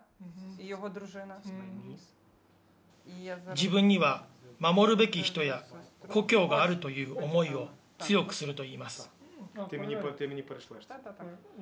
自分には守るべき人や故郷があるという思いを強くするといいます。